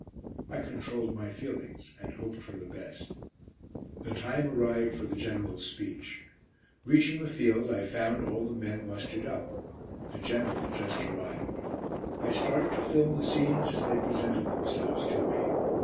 I controlled my feelings, and hoped for the best. The time arrived for the General's speech. Reaching the field, I found all the men mustered up. The General had just arrived. I started to film the scenes as they presented themselves to me.